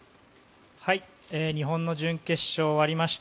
日本の準決勝終わりました。